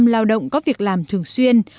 chín mươi bảy lao động có việc làm thường xuyên